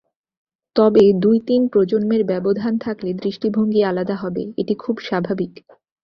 তবে দুই-তিন প্রজন্মের ব্যবধান থাকলে দৃষ্টিভঙ্গি আলাদা হবে, এটি খুব স্বাভাবিক।